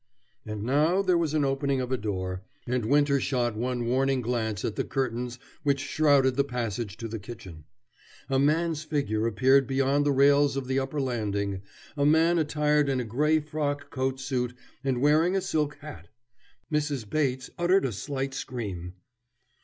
And now there was an opening of a door, and Winter shot one warning glance at the curtains which shrouded the passage to the kitchen. A man's figure appeared beyond the rails of the upper landing, a man attired in a gray frock coat suit and wearing a silk hat. Mrs. Bates uttered a slight scream.